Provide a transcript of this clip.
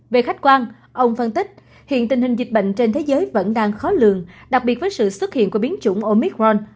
về khách quan ông phân tích hiện tình hình dịch bệnh trên thế giới vẫn đang khó lường đặc biệt với sự xuất hiện của biến chủng omicron